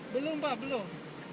belum pak belum